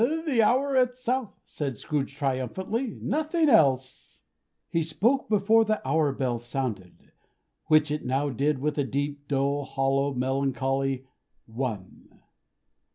"The hour itself," said Scrooge, triumphantly, "nothing else!" He spoke before the hour bell sounded, which it now did with a deep, dull, hollow, melancholy ONE.